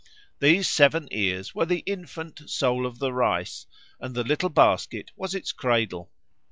These seven ears were the infant Soul of the Rice and the little basket was its cradle.